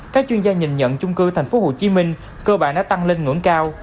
các chuyên gia nhìn nhận chung cư tp hcm cơ bản đã tăng lên ngưỡng cao